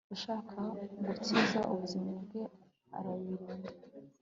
ushaka gukiza ubuzima bwe, arayirinda